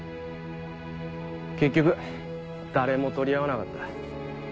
結局誰も取り合わなかった。